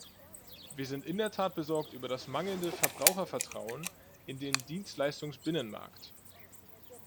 Wir sind in der Tat besorgt über das mangelnde Verbrauchervertrauen in den Dienstleistungsbinnenmarkt.